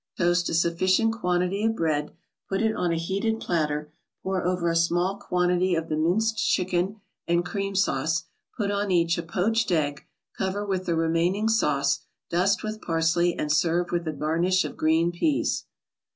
Toast a sufficient quantity of bread, put it on a heated platter, pour over a small quantity of the minced chicken and cream sauce, put on each a poached egg, cover with the remaining sauce, dust with parsley and serve with a garnish of green peas.